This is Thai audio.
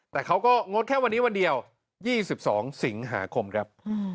แต่เขาก็งดแค่วันนี้วันเดียว๒๒สิงหาคมครับ